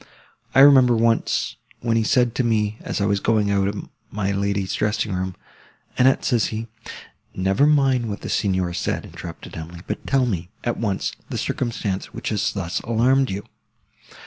I remember once, when he said to me, as I was going out of my lady's dressing room—Annette, says he—" "Never mind what the Signor said," interrupted Emily; "but tell me, at once, the circumstance, which has thus alarmed you."